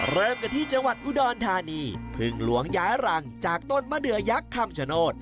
เริ่มกันที่จังหวัดอุดรธานีพึ่งหลวงย้ายรังจากต้นมะเดือยักษ์คำชโนธ